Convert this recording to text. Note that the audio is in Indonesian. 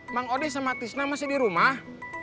mang odeh sama tisna masih di rumah